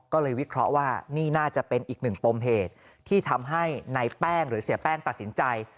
ก็เลยวิเคราะห์ว่านี่น่าจะเป็นอีกหนึ่งปมเหตุที่ทำให้ในแป้งหรือเสียแป้งตัดสินใจ